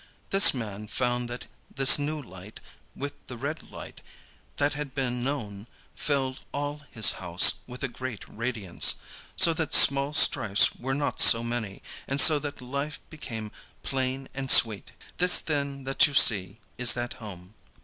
This man found that this new light, with the red light that had been known, filled all his house with a great radiance, so that small strifes were not so many, and so that life became plain and sweet. This then that you see is that Home.